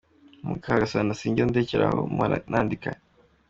Mukagasana : Sinjya ndekera aho, mpora nandika.